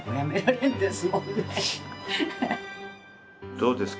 どうですか？